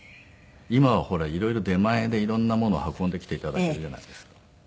今はほら色々出前で色んなもの運んできて頂けるじゃないですか。